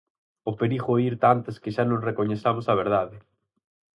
O perigo é oír tantas que xa non recoñezamos a verdade.